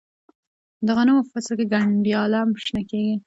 د غنمو په فصل کې گنډیاله شنه کیږي.